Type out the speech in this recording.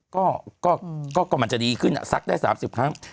ก็ก็ก็ก็มันจะดีขึ้นอ่ะซักได้สามสิบครั้ง